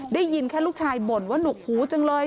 ได้ยินแค่ลูกชายบ่นว่าหนุกหูจังเลย